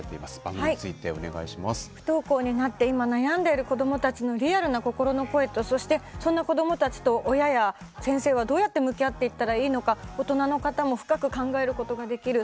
不登校になって今悩んでいる子どもたちのリアルな心の声とその子どもたちと親や先生はどうやって向き合っていったらいいのか大人の方も深く考えることができる。